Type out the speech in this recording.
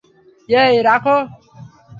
এই, রাখো।